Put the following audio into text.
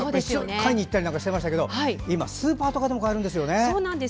買いに行ったりしてましたけど今、スーパーでも買えるんですよね。